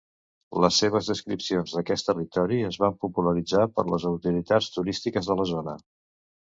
Les seves descripcions d'aquest territori es van popularitzar per les autoritats turístiques de la zona.